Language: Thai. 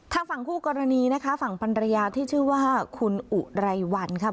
ทางฝั่งคู่กรณีนะคะฝั่งพันรยาที่ชื่อว่าคุณอุไรวันค่ะ